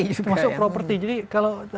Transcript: termasuk properti jadi kalau